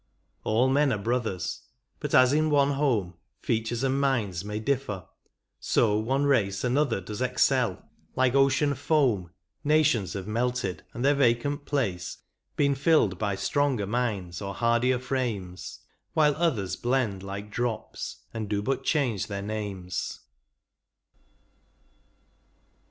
All men are hrothers ; hut as in one home Features and minds may diflfer, so one race Another does excel ; like ocean foam Nations have melted, and their vacant place Been filled by stronger minds, or hardier frames, While others blend like drops, and do but change their names.